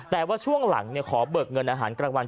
แต่ว่าช่วงหลังขอเบิกเงินอาหารกลางวัน